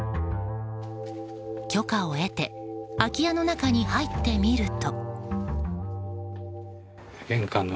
許可を得て空き家の中に入ってみると。